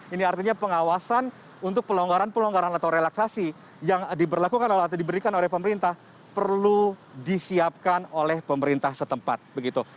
ini artinya pengawasan untuk pelonggaran pelonggaran atau relaksasi yang diberlakukan atau diberikan oleh pemerintah perlu disiapkan oleh pemerintah setempat begitu